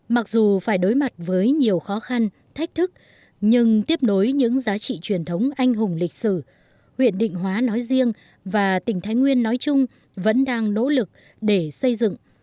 mặc dù phải đối mặt với nhiều khó khăn thách thức nhưng tiếp nối những giá trị truyền thống anh hùng lịch sử huyện định hóa nói riêng và tỉnh thái nguyên nói chung vẫn đang nỗ lực để xây dựng